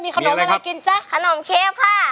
มีอะไรครับขนมเค็ปค่ะ